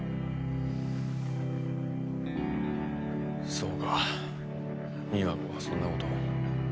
そうか美和子がそんな事を。